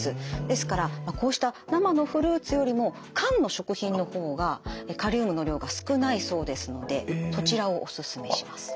ですからこうした生のフルーツよりも缶の食品の方がカリウムの量が少ないそうですのでそちらをおすすめします。